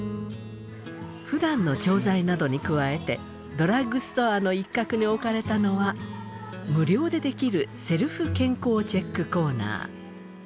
ふだんの調剤などに加えてドラッグストアの一角に置かれたのは無料でできるセルフ健康チェックコーナー。